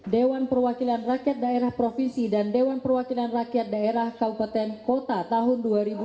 dewan perwakilan rakyat daerah provinsi dan dewan perwakilan rakyat daerah kabupaten kota tahun dua ribu dua puluh